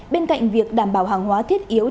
bên cạnh việc đảm bảo hàng hóa thiết yếu